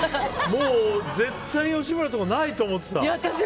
もう、絶対吉村とかないと思ってた。